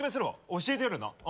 教えてやるよなあ。